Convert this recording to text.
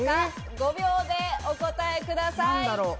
５秒でお答えください。